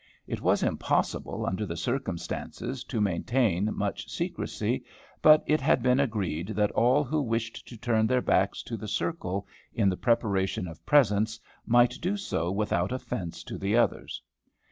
It was impossible, under the circumstances, to maintain much secrecy; but it had been agreed that all who wished to turn their backs to the circle, in the preparation of presents, might do so without offence to the others.